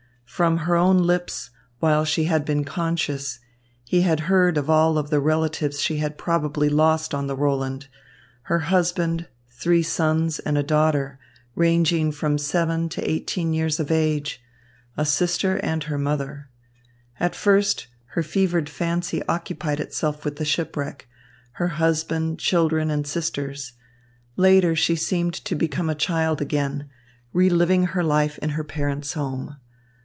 From her own lips, while she had still been conscious, he had heard of all the relatives she had probably lost on the Roland, her husband, three sons, and a daughter ranging from seven to eighteen years of age a sister and her mother. At first her fevered fancy occupied itself with the shipwreck, her husband, children, and sisters. Later she seemed to become a child again, reliving her life in her parents' home.